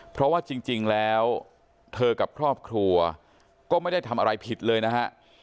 เพราะว่าจริงแล้วเธอกับครอบครัวก็ไม่ได้ทำอะไรผิดเลยนะฮะ